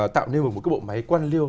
tạo nên một cái bộ máy quan liêu